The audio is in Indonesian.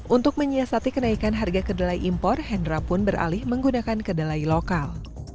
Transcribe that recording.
untuk menyiasati kenaikan harga kedelai impor hendra pun beralih menggunakan kedelai lokal